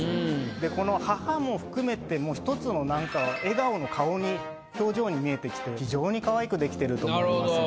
でこの「ＨＡＨＡ」も含めて一つのなんか笑顔の顔に表情に見えてきて非常にかわいく出来てると思いますね。